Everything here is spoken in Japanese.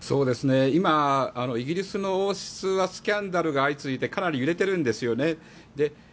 今、イギリスの王室はスキャンダルが相次いでかなり揺れてるんですよね。